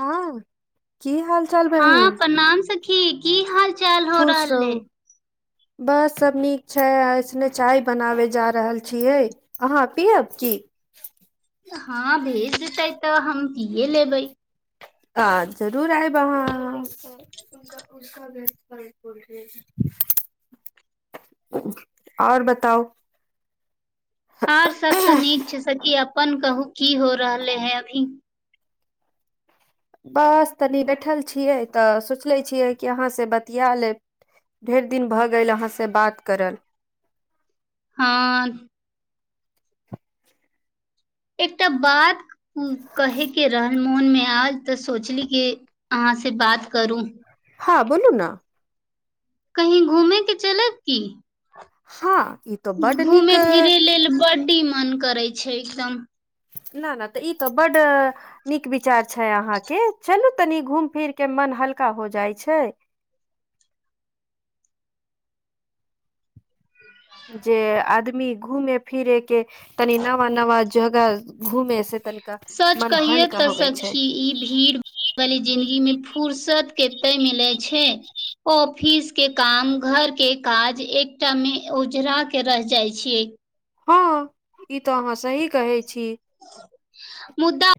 हँ की हाल चाल हँ बहिन प्रणाम सखी की हाल चाल हो खुश रहल रहू बस सब नीक छैय अइसने चाय बनाबै जा रहल छियै अहाँ पियब हँ भेज देतै तऽ हम पिए लेबै कि तऽ जरूर आयब अहाँ उक व बोल [unintelligible] आओर बताउ आर सब तऽ नीक छै सकी अपन कहू की हो रहले हैन अभी बस तनी बैठल छियै तऽ सोच ले छियै कि अहाँसँ बतिया ली ढेर दिन भऽ गेल अहाँ से बात करल हँ एकटा बात कहे केँ रहल मोन मे आयल तऽ सोचली कि अहाँ से बात करू हँ बोलू नऽ कही घूमे केँ चलब की हँ ई तो बड नीक घूमे फिरे लेल बड्डी मन करै छै एकदम नऽ नऽ ई तऽ बड्ड नीक विचार छैय अहाँकेँ चलू तनी घूम फिर केँ मन हल्का हो जाइ छैय जे आदमी घुमे फिरेकेँ तनी नवा नवा जगह घुमे से तनका सच मन कहियै हलका तऽ होबै छैय सखी ई भीड़ वाली जिन्दगी मे फुर्सत कते मिलै छैय ऑफिस केँ काम घर केँ काज एकटा मे ओझरा केँ रह जाइ छियै हँ ई तऽ अहाँ सही कहैय छी मुदा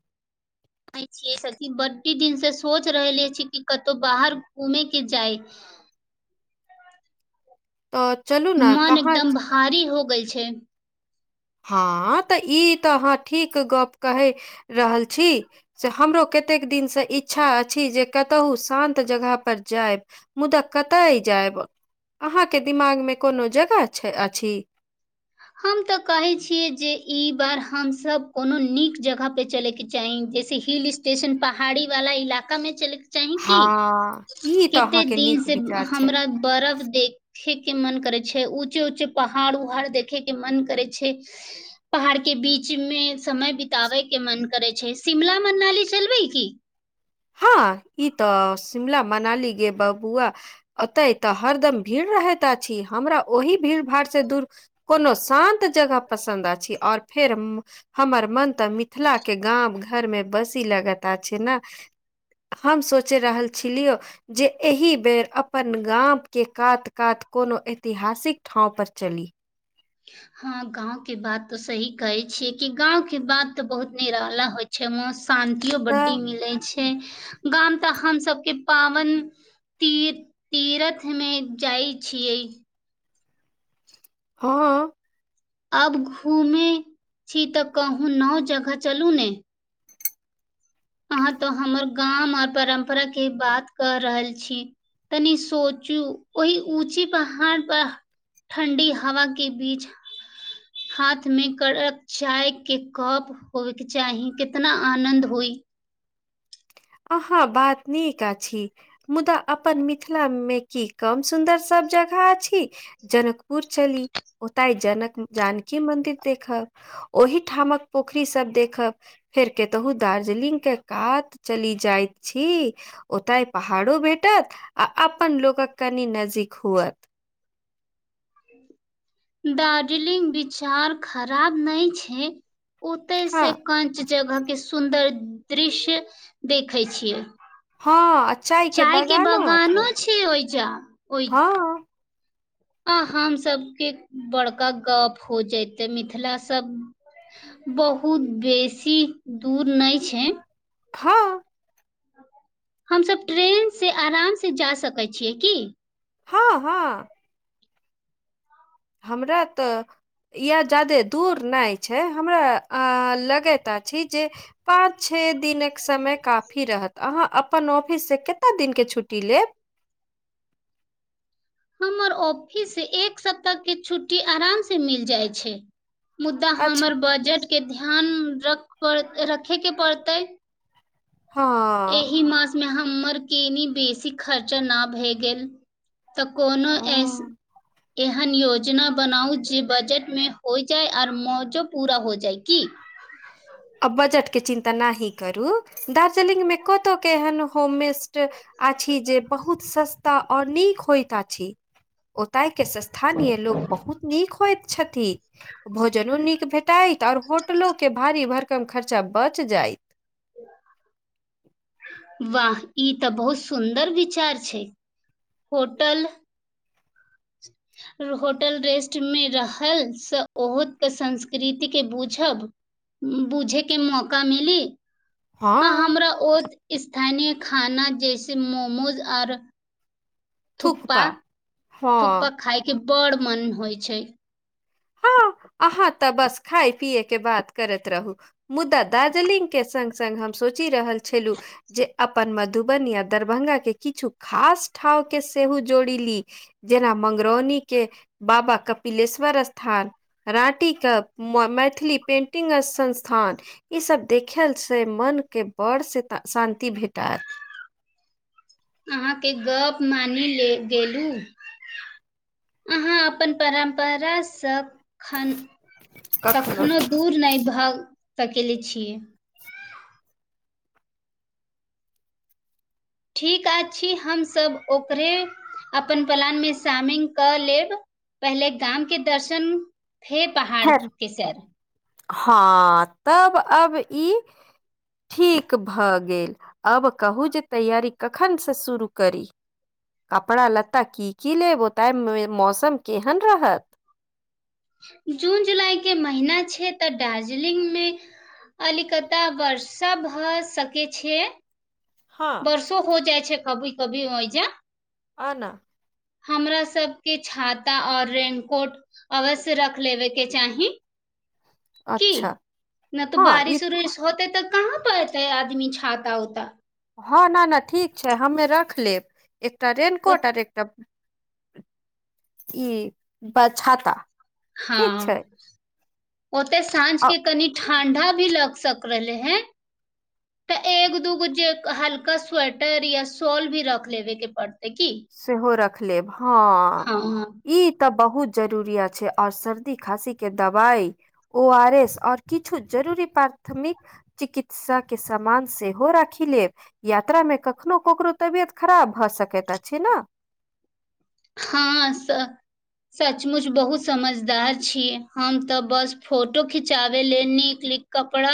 इ सब की बड्डी दिन से सोच रहले छी कि कतो बाहर घूमे केँ जाय ओ चलू ने मन कहाँ एकदम भारी हो गेल छै हँ तऽ ई तऽ अहाँ ठीक गप कहि रहल छी से हमरो कतेक दिनसँ इच्छा अछि जे कतहु शान्त जगहपर जायब मुदा कतय जायब अहाँकेँ दिमाग मे कोनो जगह छै अछि हम तऽ कहे छीयै जे ई बार हमस कोनो नीक जगह पे चले केँ चाहि जैसे हिल स्टेशन पहाड़ी वाला इलाका मे चले चाहि की हाँ, ई तऽ कते अहाँके दिन नीक से विचार छै। हमरा बर्फ देखे केँ मन करे छै ऊचे ऊचे पहाड़ उहाड़ देख देखे केँ मन करै छै पहाड़ केँ बीच मे समय बिताबे केँ मन करै छै शिमला मनाली चलबै की हँ ई तऽ शिमला मनाली गे बबुआ ओतेय तऽ हरदम भीड़ रहैत अछि हमरा ओहि भीड़ भाड़ से दूर कोनो शान्त जगह पसन्द अछि आओर फेर हमर मन तऽ मिथिला केँ गाम घर मे बसी लगत अछि नऽ हम सोचि रहल छलियौ जे एहि बेर अपन गाम केँ कात कात कोनो ऐतिहासिक ठाँव पर चली हँ गाँंव केँ बात तो सही कहै छियै कि गाँंव केँ बात तऽ बहुत निराला होइ छैय मौस शान्तियो तऽ बड्डी मिले छै गाम तऽ हम सबकेँ पावन ती तीरथमे जाइ छियै हँ अब घूमे छी तऽ कहूँ नव जगह चलू ने अहाँ तो हमर गाँम परम्परा केँ बात कऽ रहल छी तनी सोचू ओहि ऊँची पहाड़ पर ठण्डी हवा केँ बीच हाथ मे कड़क चाय केँ कप होयकेँ चाही कितना आनन्द होई अहाँक बात नीक अछि मुदा अपन मिथिला मे की कम सुन्दर सभ जगह अछि जनकपुर चली ओतय जनक जानकी मन्दिर देखब ओहिठामक पोखरी सब देखब फेर केतहु दार्जिलिंग के कात चली जाइत छी ओतय पहाड़ो भेटत आ अपन लोकक कनि नजदीक हुअत दार्जिलिंग विचार खराब नय छै ओते हँ से कंच जगह के सुंदर दृश्य देखै छियै चाय के बगानो छै ओहिचा ओहि हँ आ हम सभके बड़का गप हो जयते मिथिला सब बहुत बेसी दूर नहि छै हाँ हमसब ट्रेनसँ आरामसँ जा सकै छियै की हँ हँ हमरा तऽ या जादे दूर नय छै हमरा लगैत अछि जे पाँच छे दिनक समय काफी रहत अहाँ अपन ऑफिससँ कतेक दिनके छुट्टी लेब हमर ऑफिस से एक सप्ताहके छुट्टी आरामसँ मिल जाइत छै मुदा अच्छा हमर बजटके ध्यान रखड़ रखयके पड़तै हँ एहि मासमे हमर केनि बेसी खर्चा ना भए गेल तऽ कोनो एस एहन योजना बनाउ जे बजटमे होइ जाय आर मौजो पूरा होय जाय की [inaudible] आ बजट के चिन्ता नहि ही करू दार्जलिंग मे कत के एहन होम मे अछि जे बहुत सस्ता आऔर नीक होइत अछि ओताय के स्थानीय लोग बहुत नीक होइत छथि भोजनो नीक भेटाइत और होटलो के भारी भरकम खर्चा बच जायइत वाह ई तऽ बहुत सुन्दर विचार छै होटल ह [inaudible] [inaudible] होटल रेस्टमे रहलसँ ओहोके संस्कृतिके बुझब बुझैके मौका मिली आ हँ हमरा ओ स्थानीय खाना जैसे मोमोज आर थुप्पा थुकपा थुप्पा हँ खाय के बड़ मोन होइ छै हँ अहाँ तऽ बस खाय पियए के बात करैत रहू मुदा दार्जिलिंगके सङ्ग सङ्ग हम सोचि रहल छलहुँ जे अपन मधुबनी या दरभंगाके किछु खास ठाव के सेहो जोड़ी ली जेना मंगरौनी के बाबा कपिलेश्वर स्थान राटीके मैथिली पेन्टिंग संस्थान ईसभ देखय से मनके बड़ से शान्ति भेटत अहाँके गप मानि ले गेलहु अहाँ अपन परम्परासँप खन कखनो दूर नहि भऽ केले छियै ठीक अछि हमसभ ओकरे अपन प्लानमे शामिंग कऽ लेब पहिले गाम के दर्शन फेर पहाड़ फेर के शर हँ तब अब ई ठीक भऽ गेल आब कहू जे तैयरी कखनसँ शुरू करी कपड़ा लत्ता की की लेब ओ तहिमे मौसम केहन रहत जून जुलाई के महिना छै तऽ दार्जिलिंग मे अल कता वर्ष भऽ सक छै हँ वर्षो हो जाइ छै कभी कभी होइज आना [inaudible] हमरा सबके छाता और रेनकोट अवश्य रख लेबे के चाहि की अच्छा नहि तऽ हँ ई बारिश उरिश होतेै तऽ कहाँ पर एतेै आदमी छाता ऊता हँ न न ठीक छै हमे रख लेब एकटा रेननकोट आर एकटा ई ब छाता ठीक हँ छै ओते आ साँझके कनि ठंडा भी लग सक रहले हे तऽ एक दूगो जे हल्का स्वेटर या सॉल भी रख लेबे के की सेहो रख लेब हँ हँ ई तऽ बहुत जरूर छै और सर्दी खासी के दवाई ओ आर एस आओर किछु जरूरी प्राथमिक चिकित्सा के समामान सेहो राखि लेब यात्रा मे कखनो ककरो तबियत खराब भऽ सकैत अछि हँ स सचमुच बहुत समझदार छी हम ते बस फोटो खिचाबे ले नीक कपड़ा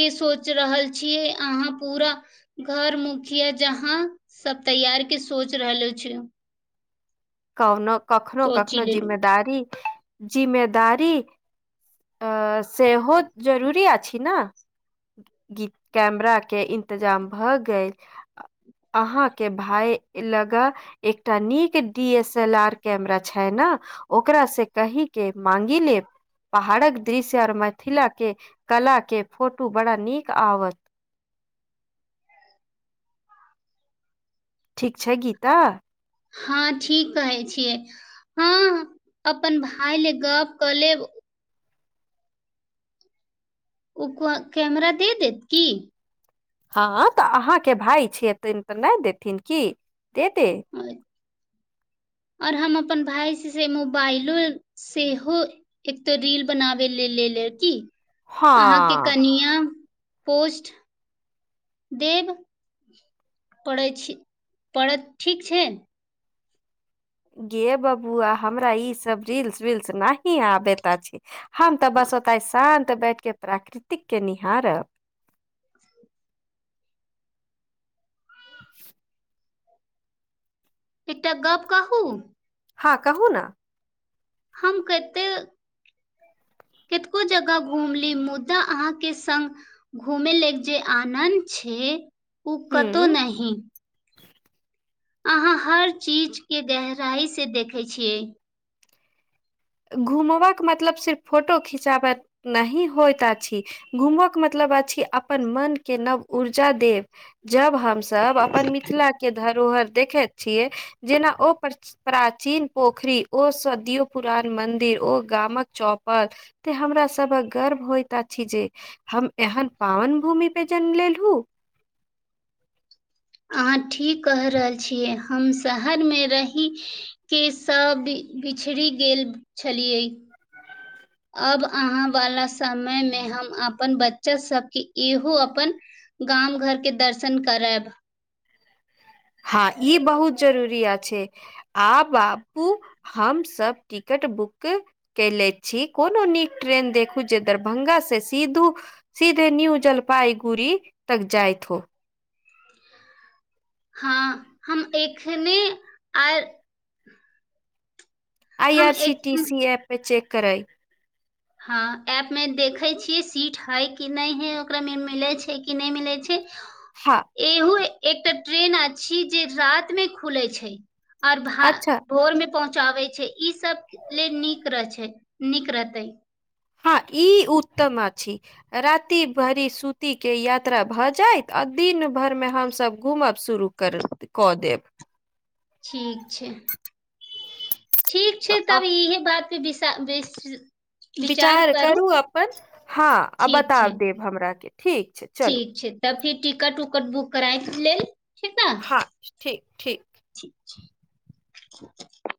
के सोच रहल छियै अहाँ पूरा घर मुखिया जहाँ सब तैयार के सोच रहलो छै कनो कखनो सोचि कखनो लेलु जिम्मेदारी जिम्मेदारी अ सेहो जरूरी अछि ने गी कैमरा के इन्तजाम भऽ गेल अहाँ के भाय लगा एकटा नीक D S L R camera छै ने ओकरा से कहि के माँगी लेब पहाड़क दृश्य और मिथिला के कला के फोटो बड़ा नीक आवत ठीक छै गीता हँ ठीक कहै छियै हँ अपन भाय ले गप कऽ लेब ओ कैमरा दे देत की हँ तऽ अहाँके भााय छियथिन तऽ नहि देथिन की दे आओर हम अपन भाय से मोबाइलो सेहो एक तऽ रील बनाबे ल लेले ती अहाँके हँ। कनियाँ पोस्ट देब पड़ै छी पड़त ठीक छै गे बबुआ हमरा ई सब रील्स विल्स नी आबेत छै हम तऽ बस ओताे शान्त बैठ के प्राकृतिक के निहारब एकटा गप कहू हँ कहू न हम कते कतको जगह घूम ली मुदा अहाँके संग घुमे लेल जे आनन्द छै ओ कतहु हूँ नहि अहाँ हर चीजके गहराइसँ देखै छियै घुमबाक मतलब सिर्फ फोटो खिचाब नही होइत अछि घूमयक मतलब अछि अपन मन के नव ऊर्जा देब जब हमसभ अपन मिथिला के धरोहर देखैत छियै जेना ओ पर प्राचीन पोखरी ओ सदियोय पुरान मंदिर ओ गामक चौपल ते हमरा सबक गर्व होइत अछि जे हम एहन पावन भूमि पे जन्म लेलहु अहाँ ठीक कह रहल छियै हम शहरमे रही केसँ बि बिछड़ि गेल छलियै अब अहाँ वाला समय मे हम अपन बच्चा सबके इहो अपन गाम घरके दर्शन कराब हँ ई बहुत जरूरी अछै आ बापू हम सब टिकट बुक कयले छी कोनो नीक ट्रेन देखू जे दरभंगासँ सीधू सीधे न्यू जलपाइगुड़ी तक जाइत हो हँ हम एखने आ आई हम आर सी टी एक सी ऐप पर चेक करै हँ एपमे देखै छियै सीट हइ कि नहि हइ ओकरामे मिलै छै कि नहि मिलै छै हाँ एहो एकटा ट्रेन अ छी जे रात मे खुलै छै आओर भा अच्छा भोरमे पहुँचाबै छै ई सब लेल नीक रह छै नीक रहतै हँ ई उत्तम आ छी राति भरी सूती के यात्रा भऽ जायइत आ दिन भरि मे हमसभ घुमब शुरू कर कऽ देब ठीक छै ठीक अ- छै अ- तब इहे बात के विसा विस विचार करू अपन हँ आ ठीक बता छै देब हमरा के ठीक छै चलू ठीक छै तऽ फीर तिकट उकट बुक करै छी लेल ठीक ने हाँ ठीक ठीक ठीक छै